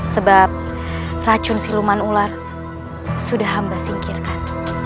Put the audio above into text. sebab racun siluman ular sudah hamba singkirkan